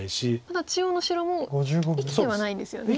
ただ中央の白も生きてはないんですよね。